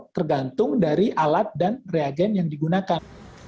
tergantung dari alat dan reagen yang digunakan